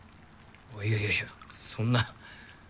いやいやそんな。